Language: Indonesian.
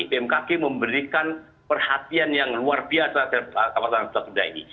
pmkk memberikan perhatian yang luar biasa terhadap kapal tanah pelatuh daerah ini